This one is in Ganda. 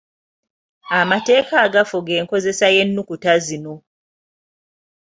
Amateka agafuga enkozesa y’ennukuta zino.